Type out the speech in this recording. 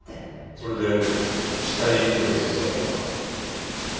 それで死体遺棄を手伝ったのか。